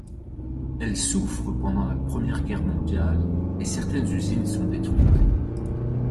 Elles souffrent pendant la première Guerre mondiale, et certaines usines sont détruites.